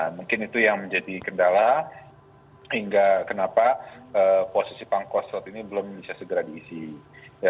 mungkin itu yang menjadi kendala hingga kenapa posisi pangkostrat ini belum bisa segera diisi